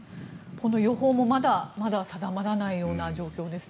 予報もまだまだ定まらない状況ですね。